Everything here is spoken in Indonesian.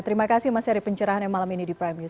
terima kasih mas seri pencerahan yang malam ini di prime news